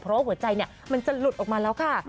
เพราะว่าหัวใจมันจะหลุดออกมาแล้วค่ะ